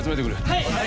はい！